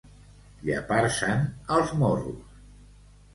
Llepar-se'n els morros.